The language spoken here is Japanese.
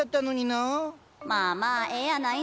まあまあええやないの！